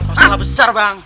masalah besar bang